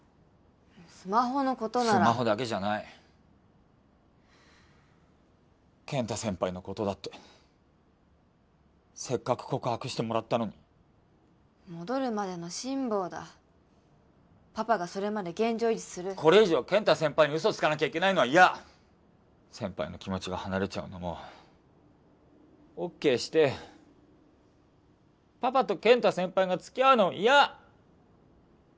スマホのことならスマホだけじゃない健太先輩のことだってせっかく告白してもらったのに戻るまでの辛抱だパパがそれまで現状維持するこれ以上健太先輩にウソつかなきゃいけないのは嫌先輩の気持ちが離れちゃうのもＯＫしてパパと健太先輩が付き合うのも嫌！